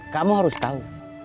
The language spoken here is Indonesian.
kamu harus tahu